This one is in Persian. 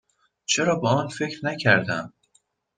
چرا به آن فکر نکردم؟